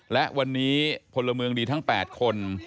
และวันนี้พลเมืองดีทั้ง๘คน